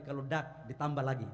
kalau dak ditambah lagi